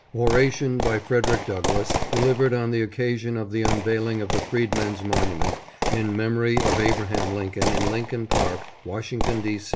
ORATION BY FREDERICK DOUGLASS, DELIVERED ON THE OCCA SION OP THE UNVEILING OF THE FREEDMEN'S MONUMENT, IN MEMORY OF ABRAHAM LINCOLN, IN LINCOLN PARK, WASHINGTON, D.